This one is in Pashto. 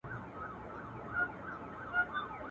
بد بختي يوازي نه راځي.